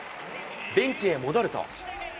ベンチへ戻ると。